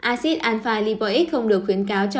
acid alpha lipoic không được khuyến khích bệnh nhân